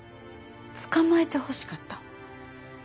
捕まえてほしかった。